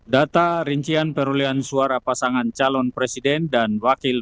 data rincian perolehan suara pasangan calon presiden dan wakil